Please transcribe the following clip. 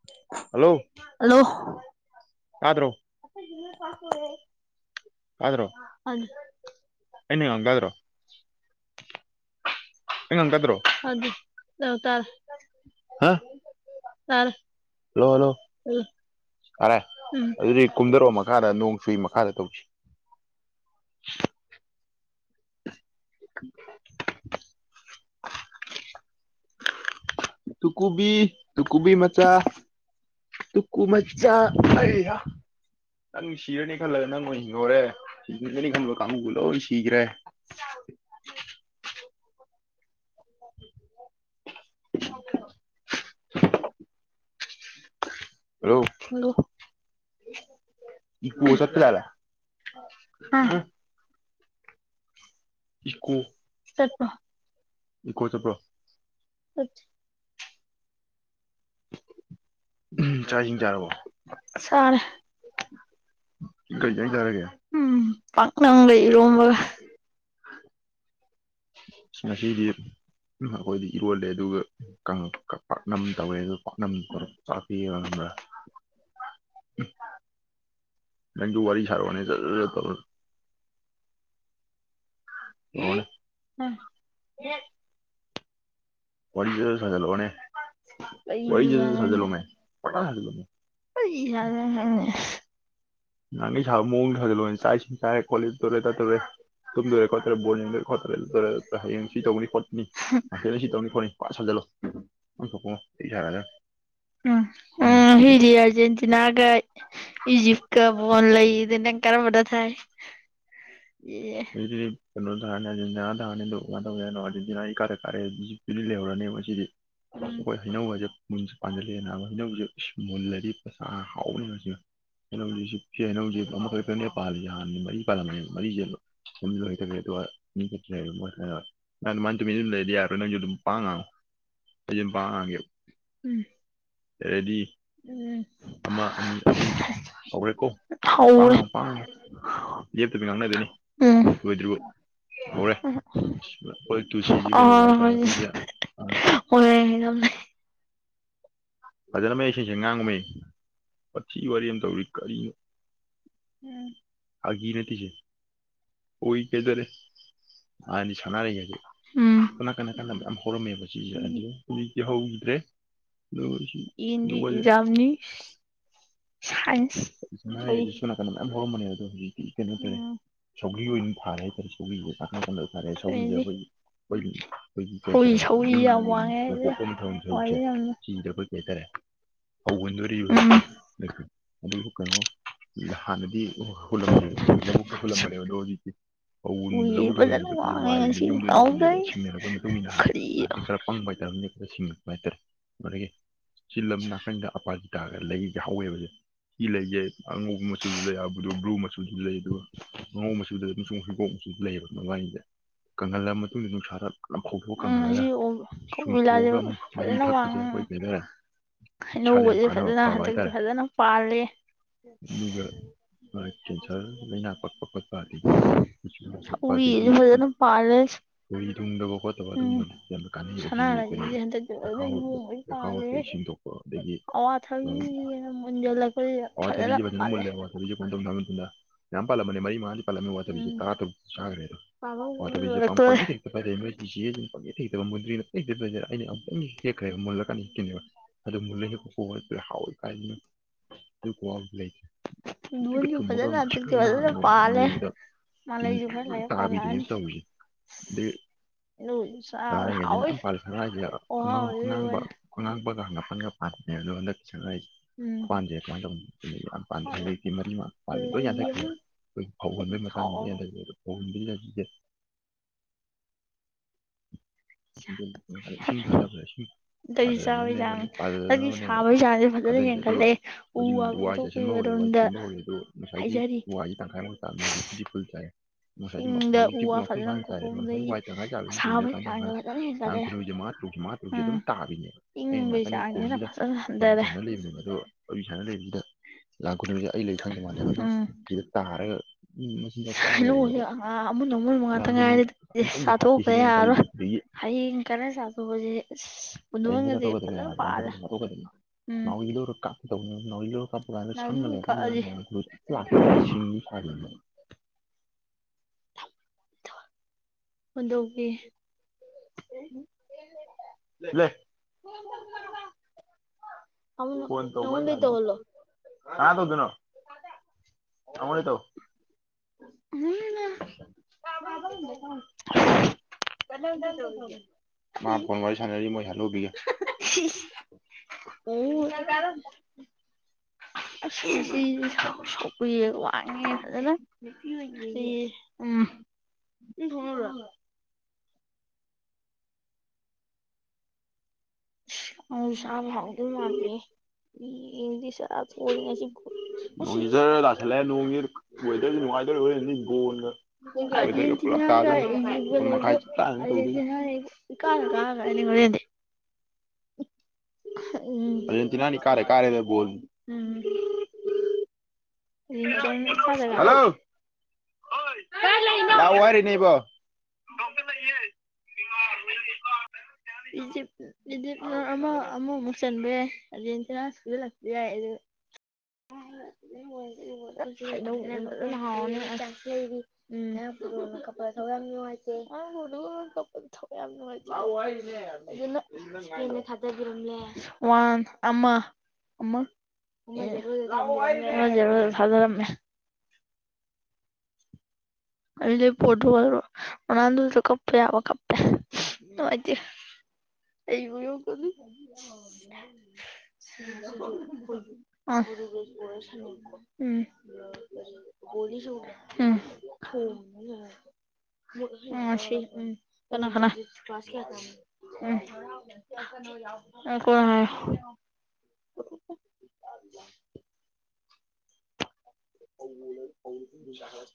UNINTELLIGIBLE ꯇꯥ ꯗꯔꯣ ꯇꯥꯗꯔꯣ INAUDIBLE ꯑꯩꯅ ꯉꯥꯡꯇꯥꯗ꯭ꯔꯣ ꯇꯥꯗ꯭ꯔꯣ ꯑꯗꯨ ꯑꯧꯇꯥꯔꯦ ꯍꯥ ꯇꯥꯔꯦ ꯑꯗꯨ ꯐꯔꯦ ꯑꯗꯨꯗꯤ ꯀꯨꯝꯊꯔꯛꯑꯣ ꯃꯈꯥꯗ ꯅꯣꯡꯆꯨꯏ ꯃꯈꯥꯗ ꯇꯧꯁꯤ ꯇꯨ ꯀꯨꯕꯤ ꯇꯨꯀꯨꯕꯤꯃꯆꯥ ꯇꯨꯀꯨꯃꯆꯥ ꯑꯩ ꯌꯥ ꯅꯪ ꯁꯤꯔꯅꯤ ꯈꯜꯂꯒ ꯅꯪ ꯑꯣꯏ ꯍꯤꯡꯍꯧꯔꯦ ꯍꯤꯡꯒꯅꯤ ꯈꯟꯕ ꯀꯥꯡꯕꯨꯒꯩ ꯂꯣꯏ ꯁꯤꯒ꯭ꯔꯦ INAUDIBLE INAUDIBLE ꯍꯜ ꯂꯣ ꯍꯜꯂꯣ ꯏꯀꯣ ꯆꯠꯄ ꯌꯥꯔꯦ ꯑꯥ ꯢ ꯀꯣ INAUDIBLE ꯏꯀꯣꯆꯠꯄ꯭ꯔꯣ UNINTELLIGIBLE ꯆꯥꯛ ꯏꯁꯤꯡ ꯆꯥꯔꯕꯣ ꯁꯥꯔꯦ ꯀꯩ ꯏꯟꯖꯥꯡ ꯆꯥꯔꯒꯦ ꯎꯝ ꯄꯥꯛꯅꯝꯒꯥ ꯏꯔꯣꯝꯕꯒ ꯑꯥꯁꯉꯁꯤꯗꯤ ꯑꯩꯈꯣꯏꯗꯤ ꯏꯔꯣꯜꯂꯦ ꯑꯗꯨꯒ ꯀꯪꯀꯪ ꯄꯥꯛꯅꯝ ꯇꯧꯋꯦ ꯑꯗꯨꯒ ꯎꯍꯋꯊꯈꯉ ꯄꯥꯛꯅꯝꯇꯧꯔ ꯆꯄꯤꯌꯦ ꯈꯪꯕ꯭ꯔ ꯅꯪꯖꯨ ꯋꯥꯔꯤ ꯁꯥꯔꯛꯑꯣꯅꯦ ꯖꯔꯔ ꯇꯧꯔ INAUDIBLE ꯋꯥꯔꯤ ꯖꯔꯔ ꯁꯥꯖꯤꯜꯂꯛꯑꯣꯅꯦ ꯀꯩꯕꯨ ꯋꯥꯔꯤ ꯖꯔꯖꯔ ꯆꯥꯗꯣꯏꯅꯣ ꯁꯥꯖꯤꯜꯂꯣꯃꯦ ꯄꯪꯁꯥ ꯁꯥꯖꯜꯂꯣ ꯀꯩ ꯆꯥꯗꯣꯏꯅꯣ ꯈꯪꯗꯦ ꯅꯍꯥꯟꯒꯩ ꯁꯥꯕ ꯃꯑꯣꯡꯗ ꯁꯥꯖꯜꯂꯣꯅꯦ ꯆꯥꯛ- ꯏꯁꯤꯡ ꯆꯥꯔꯦ- ꯈꯣꯠꯂꯦ ꯑꯗꯨ ꯇꯧꯔꯦ- ꯑꯗꯥ ꯇꯧꯔꯦ ꯇꯨꯝꯗꯣꯔꯦ- ꯈꯣꯠꯇꯣꯔꯦ ꯕꯣꯜ ꯌꯦꯡꯗꯣꯔꯦ-ꯈꯣꯠꯇꯣꯔꯦ ꯑꯗꯨ ꯇꯧꯔꯦ ꯑꯗꯨ ꯇꯧꯔꯦ ꯍꯌꯦꯡ ꯁꯤ ꯇꯧꯅꯤ ꯈꯣꯠꯀꯅꯤ ꯍꯪꯆꯤꯠꯅ ꯁꯤ ꯇꯧꯒꯅꯤ-ꯈꯣꯠꯀꯅꯤ ꯄꯪꯁꯥ ꯖꯜꯂꯣ ꯅꯪ ꯊꯣꯛꯄꯃ ꯑꯩ ꯁꯥꯔꯒ ꯎꯪ ꯑꯥ ꯎꯝ ꯉꯁꯤꯗꯤ ꯑꯥꯔꯖꯦꯟꯇꯤꯅꯥꯒ ꯏꯖꯤꯞ ꯀ ꯥ ꯕꯣꯜ ꯂꯩꯕꯗ ꯅꯪ ꯀꯔꯝꯕꯗ ꯊꯥꯏ ꯑꯦ UNINTELLIGIBLE UNINTELLIGIBLE UNINTELLIGIBLE ꯎꯝ ꯃꯨꯟꯅꯖꯨ ꯄꯥꯟꯖꯤꯜꯂꯛꯑꯦ ꯍꯩꯅꯧꯖꯦ ꯃꯨꯜꯂꯗꯤ ꯍꯥꯎꯔꯅꯤꯁꯤ ꯍꯩꯅꯧꯖꯤ ꯁꯤ ꯍꯩꯅꯧꯖꯤ ꯑꯃꯈꯛꯇꯪꯒ ꯄꯥꯜꯂꯤꯖꯦ ꯍꯥꯟꯅꯗꯤ ꯃꯔꯤ ꯄꯥꯜꯂꯝꯕꯅꯦ ꯃꯔꯤꯖꯦ ꯌꯨꯝꯗ ꯂꯩꯇꯕꯒꯤ-ꯂꯩꯇꯕ ꯅꯪ ꯗꯨꯃꯥꯏꯗꯨꯝ ꯂꯩꯔꯗꯤ ꯌꯥꯔꯔꯣꯏ ꯅꯪꯖꯨ ꯑꯗꯨꯝ ꯄꯪꯉꯥꯡ-ꯉꯥꯡꯉꯨ UNINTELLIGIBLE ꯎꯪ ꯔꯦꯗꯤ ꯑꯃ ꯑꯅꯤ ꯑꯍꯨꯝ ꯍꯧꯔꯦꯀꯣ ꯍꯧꯔꯦ ꯄꯥꯉꯥꯡ ꯉꯥꯡꯉꯣ ꯂꯦꯞꯇꯕ ꯉꯥꯡꯅꯗꯣꯏꯅꯤ ꯎꯝ ꯂꯣꯏꯗꯔꯤꯕꯧ ꯍꯧꯔꯦ ꯑꯩꯈꯣꯏ ꯇꯨꯁꯤꯁꯤ ꯀꯩꯗꯧꯕ ꯍꯥꯏꯇꯥꯔꯦ ꯑꯣꯏꯔꯝꯂꯦ ꯑꯩꯈꯣꯏꯒꯤ ꯑꯥ [unintelligible] ꯐꯖꯅ ꯃꯌꯦꯛ ꯁꯦꯡꯅ ꯁꯦꯡꯅ ꯉꯥꯡꯉꯣꯃꯤ ꯋꯥꯊꯤ ꯋꯔꯦꯝ ꯇꯧꯋꯤ ꯀꯔꯤꯅꯣ ꯎꯝ ꯐꯒꯤ ꯅꯠꯇꯦ ꯁꯦ ꯑꯣꯏꯒꯤꯗꯔꯦ ꯍꯥꯟꯅꯗꯤ ꯁꯥꯟꯅꯔꯩ ꯁꯦ ꯎꯝ ꯁꯣꯝ ꯅꯥꯀꯟ ꯅꯥꯀꯟ ꯃꯌꯥꯝ ꯍꯧꯕꯅꯤ ꯍꯧꯔꯝꯃꯦꯕ ꯁꯤꯁꯦ ꯑꯗꯨ ꯍꯧꯖꯤꯛꯇꯤ ꯍꯧꯈꯤꯗ꯭ꯔꯦ ꯁꯤ ꯍꯌꯦꯡꯗꯤ ꯀꯩꯅꯣꯒꯁꯦ ꯑꯦꯛꯖꯥꯝꯅꯤ ꯁꯥꯏꯟꯁ ꯊꯣꯛꯏ ꯁꯥꯅꯥꯔꯩꯀꯗꯤ ꯁꯣꯝ ꯅꯀꯟꯗ ꯃꯌꯥꯝ ꯍꯧꯔꯝꯕꯅꯤ ꯑꯗꯨ ꯍꯧꯖꯤꯛ ꯀꯩꯅꯣ ꯇꯇꯥꯔꯦ ꯎꯝ ꯁꯧꯒ꯭ꯔꯤ ꯑꯣꯏꯅ ꯊꯥꯔꯦ ꯍꯥꯏꯇꯥꯔꯦ ꯁꯧꯒ꯭ꯁꯦ ꯀ ꯀꯟꯗ ꯐꯥꯔꯦ ꯁꯧꯒ꯭ꯁꯦ ꯑꯗꯩꯗꯤ ꯑꯩꯈꯣꯏꯒꯤ ꯑꯩꯈꯣꯏꯒꯤ ꯑꯩꯈꯣꯏꯒꯤ ꯀꯩ ꯎꯏ ꯍꯥꯏꯇꯥꯔꯦ ꯁꯧꯔꯤ ꯌꯨꯝ ꯌꯥꯝ ꯋꯥꯡꯉꯦ ꯑꯩꯗꯤ ꯅꯣꯡꯄꯣꯛ ꯊꯪꯕ ꯁꯔꯨꯛꯁꯦ ꯋꯥꯏꯗ ꯌꯥꯝꯅ ꯁꯤꯁꯤꯗ ꯑꯩꯈꯣꯏ ꯀꯩ ꯍꯥꯏ ꯇꯥꯔꯦ ꯐꯧ ꯍꯨꯟꯗꯧꯔꯤ ꯎꯝ ꯍꯟꯗꯛꯇꯤ ꯑꯗꯨꯕꯨ ꯀꯩꯅꯣ ꯍꯥꯟꯅꯗꯤ ꯍꯨꯜꯂꯝꯗꯦꯏ ꯂꯧꯕꯨꯛꯇ ꯍꯨꯜꯂꯝꯕꯅꯦꯕ ꯑꯗꯣ ꯍꯧꯖꯤꯛꯇꯤ ꯐꯧ ꯍꯨꯟꯕ ꯁꯦ ꯎꯏ ꯂꯧꯕꯨꯛꯇ ꯍꯨꯟꯅ ꯐꯖꯅ ꯍꯨꯟꯕꯁꯦ ꯋꯥꯡꯉꯦ ꯋꯥꯏꯗꯅꯥ ꯉꯁꯤ ꯌꯨꯝꯗ ꯑꯣꯏꯅꯥ ꯍꯨꯜꯂꯦꯕ ꯀꯥꯎꯗꯩ ꯁꯤꯡꯅꯔꯛꯄꯒꯤ ꯃꯇꯨꯡ ꯏꯟꯅꯥꯟꯗꯤ ꯀꯔꯤꯔ ꯍꯥꯟꯅꯗꯤ ꯈꯔ ꯄꯪꯕ ꯍꯥꯏꯇꯥꯔꯅꯦ ꯁꯤꯡꯉꯄ ꯍꯥꯏꯇꯥꯔꯦ ꯑꯗꯨꯗꯒꯤ ꯁꯤ ꯂꯝ ꯅꯥꯀꯟꯗ ꯑꯄꯥꯖꯤꯇ ꯇꯥꯒ ꯂꯩꯗꯤ ꯍꯧꯋꯦꯕꯁꯦ ꯁꯤ ꯂꯩꯖꯦ ꯑꯉꯧꯕ ꯃꯆꯨꯁꯨ ꯂꯩ ꯕ꯭ꯂꯨ ꯃꯆꯨꯁꯨ ꯂꯩ ꯑꯗꯨꯒ ꯉꯉꯧ ꯃꯆꯨꯗ ꯂꯩ ꯍꯤꯒꯣꯛꯁꯨ ꯂꯩꯌꯦꯕ ꯃꯃꯥꯡꯁꯤꯗ ꯀꯪꯍꯜꯂ ꯃꯇꯨꯡꯗ ꯅꯨꯡꯁꯥꯔ [unintelligible] ꯆꯨꯝꯊꯣꯛꯑꯒ ꯃꯍꯤ ꯊꯛꯄꯁꯦ ꯑꯩꯈꯣꯏ ꯀꯩ ꯍꯥꯏꯇꯥꯔꯦ ꯏꯁꯥꯗ ꯌꯥꯝ ꯍꯩꯅꯧꯒꯁꯦ ꯀꯥꯟꯅꯕ ꯐꯖꯅ ꯐꯕ ꯍꯟꯗꯛꯇꯁꯤ ꯍꯥꯏꯇꯥꯔꯦ ꯐꯖꯅ ꯄꯥꯜꯂꯦ [inaudible] ꯑꯗꯨꯒ ꯀꯦꯟꯁꯔ ꯂꯥꯏꯅꯥ ꯄꯛꯄ ꯈꯣꯠꯄ ꯑꯗꯒꯤ ꯃꯆꯨ ꯂꯥꯡꯊꯣꯛꯄ ꯁꯧꯒꯔꯤꯁꯦ ꯑꯗꯒꯤ ꯐꯖꯅ ꯄꯥꯂꯦ ꯊꯣꯏ ꯊꯨꯡꯗꯕ ꯈꯣꯠꯇꯕ ꯑꯗꯨꯒꯝꯕꯕ ꯌꯥꯝꯅ ꯀꯥꯟꯅꯩꯕꯁꯤ ꯀꯩꯅꯣ ꯁꯅꯥꯔꯩꯁꯦ ꯍꯟꯗꯛꯇꯤ ꯐꯖꯅ ꯆꯈꯥꯎꯠꯄ ꯆꯈꯥꯎ ꯍꯣꯠꯄꯒꯤ ꯁꯦꯡꯗꯣꯛꯄ ꯑꯗꯒꯤ ꯑꯋꯥꯊꯥꯕꯤꯅ ꯃꯨꯟꯁꯤꯜꯂꯄꯗꯤ ꯐꯖꯅ ꯄꯜꯂꯦ ꯪ ꯌꯥꯝꯄꯜꯂꯞ ꯃꯅꯤ ꯃꯔꯤ ꯃꯥꯉ ꯑꯋꯥ ꯊꯥꯕꯤꯁꯦ ꯎꯝ ꯇꯥꯔ ꯇꯔꯨꯛꯆꯥꯈꯔꯦ ꯑꯥꯒꯔꯦ ꯄꯥꯟꯕ ꯍꯧꯕꯅ ꯑꯋꯥꯊꯕꯤꯁꯦ ꯂꯣꯏꯔꯛꯇꯣꯔꯦ ꯄꯪꯍꯦꯛꯇ ꯍꯦꯛꯄ ꯏꯆꯦ ꯄꯪ ꯍꯦꯛꯇ ꯍꯦꯛꯄꯥ ꯃꯨꯗ꯭ꯔꯤꯅꯣꯩꯗꯣꯏꯗ ꯑꯩꯅ ꯑꯃꯨꯛꯇꯪ ꯍꯦꯛꯈ꯭ꯔꯦꯕ ꯃꯨꯜꯂꯀꯥꯟꯗꯤꯅꯦꯕ ꯑꯗꯨ ꯃꯨꯜꯂ ꯍꯦꯛ ꯍꯥꯎ ꯀꯥꯏꯗ ꯑꯗꯨ ꯈꯨꯍꯥꯎꯗꯤ ꯂꯩꯇꯦ ꯊꯨꯝꯇꯤꯛ ꯀ ꯗꯨꯟꯁꯨ ꯊꯨꯝꯃꯒ ꯐꯖꯅ ꯍꯟꯗꯛꯇꯤ ꯉꯥꯁꯪ ꯐꯖꯅ ꯉꯥꯡꯂꯒꯥ ꯄꯥꯜꯂꯦ ꯌꯦꯡꯕꯗꯥ ꯃꯥꯂꯩꯁꯨ ꯈꯔ ꯇꯤꯟꯒꯥ ꯂꯩꯔ ꯇꯥꯕꯤꯗꯨꯅꯦ ꯄꯥꯜꯂꯛꯑꯅꯤ ꯇꯧꯔꯤꯁꯦ Lùi sao ꯁꯅꯔꯩꯒꯁꯤꯅ hỏi ꯃꯌꯥꯝ ꯄꯥꯜꯂꯦ ꯁꯥꯅꯥꯔꯩ ồ dữ ꯑꯉꯥꯡꯕ luôn ꯍꯪꯒꯥꯄꯟꯒ ꯄꯥꯅꯕꯅꯦ ꯑꯗꯨꯗ ꯍꯟꯗꯛꯀꯤ ꯁꯥꯅꯥꯔꯩ ꯁꯦ ꯎꯝ ꯍꯧꯖꯤꯛꯇꯤ ꯃꯔꯤ ꯃꯉꯥ ꯄꯥꯜꯂꯦ ꯂꯣꯏꯅ lấy ꯌꯥꯟꯊꯠꯈꯔꯦ yếm ꯑꯩꯈꯣꯏꯒꯤ ꯐꯧꯍꯣꯟꯕꯩ thỉnh ꯃꯇꯥꯡꯗꯅꯦ thoảng ꯂꯩ ꯑꯗꯣ ꯐꯧ ꯍꯣꯟꯕꯩ ꯃꯇꯥꯡꯁꯦ [unintelligible] tại sao bây giờ tại sao bây giờ ꯐꯖꯅ ꯥꯊꯅꯅꯦꯕꯥꯊꯅꯕꯅꯦꯕꯥꯁꯦ ꯑꯗꯨꯒ ꯌꯦꯡꯈꯠꯂꯦ ꯎ ꯍꯧꯖꯤꯛ ꯋꯥ ꯋꯥꯁꯦ ꯆꯁꯤꯟꯕ ꯍꯧꯔꯦ ꯋꯥꯏ ꯀꯣꯛꯊꯣꯛꯄꯤꯕꯔꯣꯝꯗ ꯆꯥꯏꯁꯤꯟꯕ ꯍꯧꯔꯦ ꯑꯗꯣ ꯉꯁꯥꯏꯒꯤ ꯍꯥꯏꯖꯔꯤ ꯋꯥꯍꯁꯤ ꯇꯪꯈꯥꯏꯃꯨꯛ ꯆꯥꯕꯅꯤ ꯍꯥꯏꯗꯤ ꯐ ꯐꯨꯜ ꯆꯥꯏꯔꯦ ꯉꯁꯥꯏꯗꯤ ꯆꯤꯡꯗ ꯎ ꯍꯧꯖꯤꯛꯇꯤ ꯋꯥ ꯃꯄꯨꯡ ꯐꯖꯅ ꯐꯥꯅ ꯆꯥꯏꯔꯦ ꯉꯁꯥꯏ ꯀꯣꯛꯊꯣꯛꯄꯗꯒꯤ ꯋꯥꯏ ꯇꯪꯥꯏ ꯆꯥꯟ ꯑꯁꯥꯕꯒꯤ ꯀꯥꯟ ꯆꯥꯡꯁꯦ ꯇꯧꯔꯅ ꯐꯖꯅ ꯂꯥꯡ ꯍꯦꯟꯒꯠꯂꯦ ꯈꯨꯅꯁꯦ ꯃꯥ ꯇ꯭ꯔꯨ ꯃꯥ ꯇ꯭ꯔꯨꯁꯦ ꯎꯝ ꯑꯗꯨꯝ ꯇꯥꯕꯤꯅꯦ ꯑꯩꯅꯥ ꯏꯪꯕꯒꯤ ꯅꯀꯟꯒꯤ ꯆꯥꯡꯁꯤꯅ ꯀꯣꯟꯁꯤꯗ ꯐꯖꯅ ꯍꯟꯊꯔꯦ ꯐꯖꯅ ꯂꯩꯕꯅꯦ ꯑꯗꯣ ꯑꯩ ꯏꯁꯥꯅ ꯂꯩꯗ ꯂꯥꯡ ꯈꯨꯅꯨꯁꯦ ꯑꯩ ꯂꯩ ꯈꯪꯗ ꯃꯥꯜꯅꯦꯕ ꯑꯗꯨꯝ ꯁꯤꯗ ꯇꯥꯔꯒ ꯃꯆꯤꯟꯖꯥꯛ ꯆꯥꯔ [unintelligible] ꯂꯩꯔꯤꯅꯦꯕ ꯅꯣꯡꯃꯜ ꯂꯥꯟ ꯃꯅꯨꯡꯉꯥꯏꯇꯪ ꯈꯨꯅꯨ ꯉꯥꯏꯔꯗꯤ ꯑꯝꯇꯪꯗꯤ ꯆꯊꯣꯛꯎꯇꯥ ꯍꯥꯠꯈꯤꯁꯤꯅꯦ ꯑꯩꯅ ꯈꯜꯂꯤꯁꯦ ꯌꯥꯔꯔꯣꯏ ꯑꯗꯒꯤ ꯍꯌꯦꯡ ꯈꯔ ꯆꯥꯊꯣꯑꯁꯤ ꯑꯁ ꯍꯌꯦꯡꯁꯦ ꯄꯨꯟꯗꯣꯟꯒꯁꯦ ꯆꯥꯊꯣꯛꯀꯗꯕꯅꯦ ꯐꯖꯅ ꯂꯥꯟ ꯈꯨꯅꯨ ꯄꯥꯜꯂꯦ ꯎꯝ [unintelligible] ꯅꯥꯎꯔꯤ ꯀꯛꯑꯁꯦ [unintelligible] ꯄꯨꯟꯗꯣꯟꯒꯤ [inaudible] ꯂꯦ [unintelligible] ꯐꯣꯟ ꯇꯧꯕ ꯅꯉꯣꯟꯗꯩ ꯌꯥꯗꯤ ꯇꯧꯍꯜꯂꯣ ꯀꯟꯅꯥ ꯇꯧꯗꯣꯏꯅꯣ ꯑꯉꯣꯟꯗꯩ ꯇꯧ [unintelligible] ꯀꯅꯥꯅ ꯀꯩꯗꯧꯔꯤꯒꯦ ꯃꯥ ꯐꯣꯟ ꯋꯥꯔꯤ ꯁꯥꯟꯅꯔꯤ ꯃꯣꯏ ꯍꯟꯅꯨꯕꯤꯒ [unintelligible] [inaudible] [unintelligible] [inaudible] [unintelligible] [unintelligible] [unintelligible] ꯅꯣꯡꯁꯤ ꯖꯔ ꯇꯥꯁꯜꯂꯛꯑꯦ ꯅꯣꯡꯁꯤ ꯋꯦꯗꯔꯁꯤ ꯅꯨꯡꯉꯥꯏꯗꯣꯔꯤ ꯍꯣꯔꯦꯟꯗꯤ ꯕꯣꯟꯒ ꯋꯦꯗꯔꯒ ꯄꯨꯂꯞ ꯑꯔꯖꯦꯟꯇꯤꯅꯥꯒꯒ ꯇꯥꯗꯣꯏꯅꯤ ꯏꯖꯤꯞ ꯀꯥ ꯃꯥꯄꯟ ꯂꯩꯕꯗꯨ ꯃꯈꯥꯏ ꯆꯞ ꯆꯥꯅ ꯇꯧꯗꯣꯏꯅꯤ ꯑꯔꯖꯦꯟꯇꯤꯅꯥꯅ ꯏꯀꯥꯗ ꯀꯥꯒ꯭ꯔꯦ ꯉꯥꯏꯅꯤ ꯍꯣꯔꯦꯟꯗꯤ ꯎꯝ ꯑꯖꯦꯟꯇꯤꯅꯥꯅꯤ ꯏꯀꯥꯗ ꯀꯥꯔꯦꯗ ꯕꯣꯜ ꯎꯝ ꯏꯀꯥꯗ ꯀꯥꯔꯦ ꯍꯜꯂꯣ ꯑꯣꯏ ꯀꯥꯏ ꯂꯩꯅꯣ ꯂꯥꯛꯑꯣ ꯍꯥꯏꯔꯤꯅꯦ ꯏꯕꯣ [unintelligible] ꯏꯖꯤꯞ ꯏꯖꯤꯞꯅ ꯑꯃ ꯑꯃ ꯃꯨꯛ ꯆꯟꯕ ꯌꯥꯏ ꯑꯖꯦꯟꯇꯤꯅ [unintelligible] ꯌꯥꯏ ꯑꯗꯨ [inaudible] [unintelligible] [unintelligible] [unintelligible] ꯑꯗꯨꯗꯤ ꯄꯣꯠꯇꯨꯒꯜ ꯂꯣ ꯔꯣꯅꯥꯜꯗꯣ ꯁꯨ ꯀꯞꯄꯦ ꯍꯥꯏꯕ ꯀꯞꯄꯦ ꯅꯨꯡꯉꯥꯏꯇꯦ [unintelligible] [unintelligible] [unintelligible] ꯎꯝ ꯎꯝ ꯉꯁꯤ ꯎꯝ ꯀꯅꯥ ꯀꯅꯥ [unintelligible] [inaudible] [unintelligible]